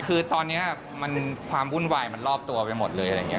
คือตอนนี้ความวุ่นวายมันรอบตัวไปหมดเลยอะไรอย่างนี้